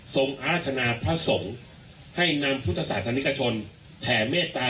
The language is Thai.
อาชนาพระสงฆ์ให้นำพุทธศาสนิกชนแผ่เมตตา